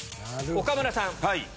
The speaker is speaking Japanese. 岡村さん。